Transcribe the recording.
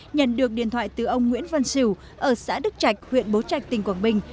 nhận được điện thoại từ ông nguyễn văn xỉu ở xã đức trạch huyện bố trạch tỉnh quảng bình